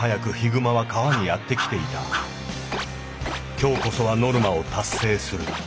今日こそはノルマを達成する。